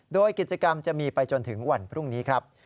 โดยกิจกรรมจะมีไปจนถึงวันพรุ่งนี้ครับ